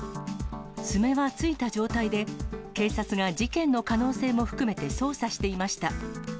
爪はついた状態で、警察が事件の可能性も含めて捜査していました。